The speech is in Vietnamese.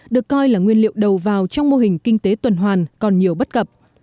được coi là nguyên liệu đầu vào trong mô hình kinh tế tuần hoàn còn nhiều bất cập